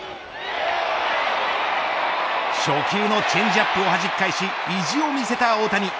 初球のチェンジアップをはじき返し意地を見せた大谷。